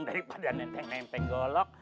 daripada nenteng nenteng golok